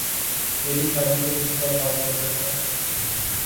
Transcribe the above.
میری شادی کو تیسرا سال چل رہا ہے